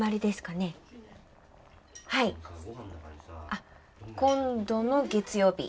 あっ今度の月曜日。